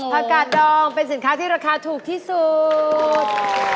อากาศดองเป็นสินค้าที่ราคาถูกที่สุด